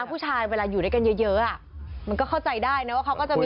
ผู้ชายเวลาอยู่ด้วยกันเยอะเยอะอ่ะมันก็เข้าใจได้นะว่าเขาก็จะมี